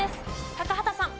高畑さん。